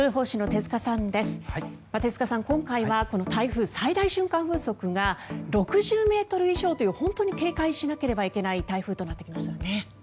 手塚さん、今回は台風が最大瞬間風速が６０ｍ以上という本当に警戒しなければいけない台風となってきましたね。